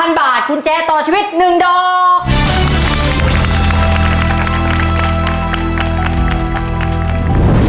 และคุณแจต่อชีวิต๑ดอก